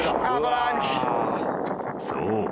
［そう。